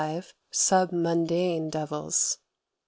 Submundane devils.